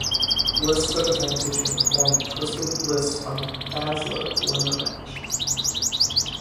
Bliss took advantage and performed Twisted Bliss on Baszler to win the match.